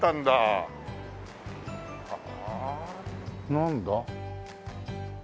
なんだ？